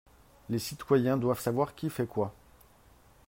Les citoyens doivent savoir qui fait quoi